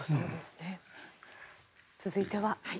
続いては。